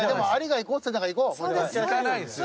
行かないですよ。